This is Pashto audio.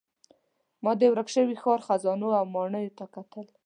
ما د ورک شوي ښار خزانو او ماڼیو ته کتل.